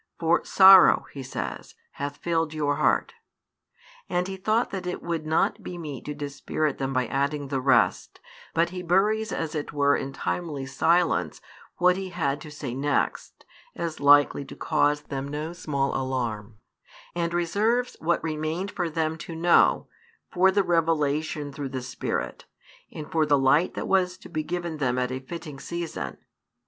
For sorrow, He says, hath filled your heart. And He thought that it would not be meet to dispirit them by adding the rest, but He buries as it were in timely silence what He had to say next, as likely to cause them no small alarm, and reserves what remained for them to know, for the revelation through the Spirit, and for the light that was to be given them at the fitting season 1.